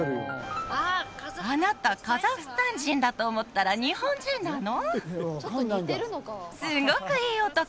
あなたカザフスタン人だと思ったら日本人なの？